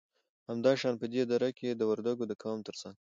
همدا شان په دې دره کې د وردگو د قوم تر څنگ